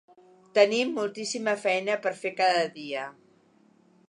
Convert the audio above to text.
Tenim moltíssima feina per fer cada dia.